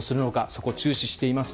そこに注視しています。